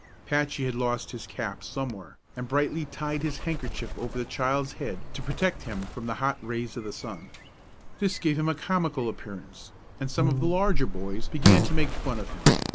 Patchy had lost his cap somewhere, and Brightly tied his handkerchief over the child's head to protect him from the hot rays of the sun. It gave him a comical appearance, and some of the larger boys began to make fun of him.